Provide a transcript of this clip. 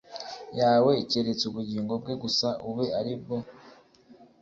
Yawe keretse ubugingo bwe gusa ube ari bwo